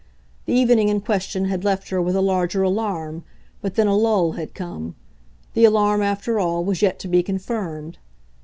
The evening in question had left her with a larger alarm, but then a lull had come the alarm, after all, was yet to be confirmed.